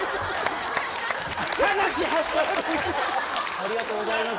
ありがとうございます。